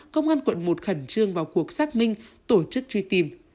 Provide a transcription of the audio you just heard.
công an quận một khẩn trương vào cuộc xác minh tổ chức truy tìm